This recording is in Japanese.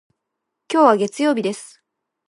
今日は月曜日です。